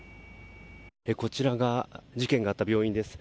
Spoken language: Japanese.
こちらが事件があった病院です。